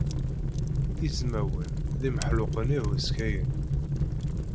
Izmawen d imexluqen ihuskayen.